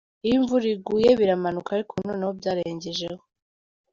Iyo imvura iguye biramanuka ariko ubu noneho byarengejeho.